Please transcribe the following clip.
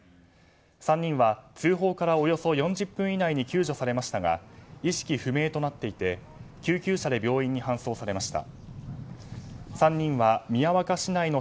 ３人は通報からおよそ４０分以内に救助されましたが意識不明となっていて救急車で病院に搬送されました。